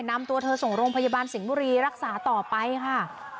นำตัวเธอส่งโรงพยาบาลสิงห์บุรีรักษาต่อไปค่ะ